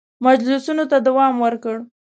مجلسونو ته دوام ورکړ.